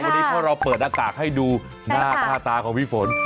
วันนี้พวกเราเปิดอากาศให้ดูหน้าตาของพี่ฝน